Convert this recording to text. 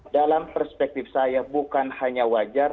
dalam perspektif saya bukan hanya wajar